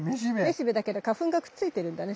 めしべだけど花粉がくっついてるんだね